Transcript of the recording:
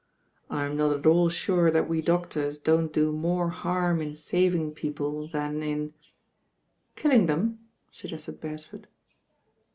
I'm not at all sure that we doctors don't do more harm In saving people than in " ''Killing them," suggested Beresford.